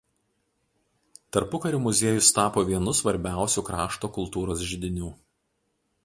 Tarpukariu muziejus tapo vienu svarbiausių krašto kultūros židinių.